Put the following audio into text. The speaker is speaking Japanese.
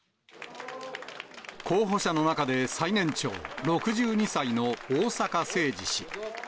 候補者の中で最年長、６２歳の逢坂誠二氏。